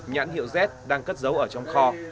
nhãn hiệu z đang cất giấu ở trong kho